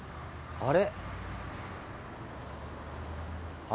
あれ？